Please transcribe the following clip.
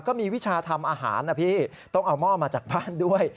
วิชาทำอาหารนะพี่ต้องเอาหม้อมาจากบ้านด้วย